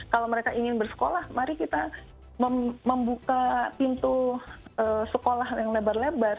kalau mereka ingin bersekolah mari kita membuka pintu sekolah yang lebar lebar